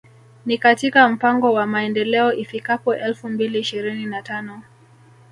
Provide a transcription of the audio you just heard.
Ni katika mpango wa Maendeleo ifikapo elfu mbili ishirini na tano